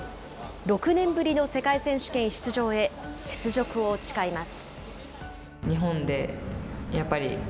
６年ぶりの世界選手権出場へ、雪辱を誓います。